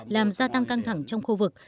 làm gia tăng căng thẳng trong khu vực